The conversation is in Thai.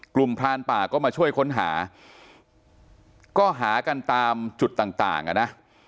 พรานป่าก็มาช่วยค้นหาก็หากันตามจุดต่างต่างอ่ะนะ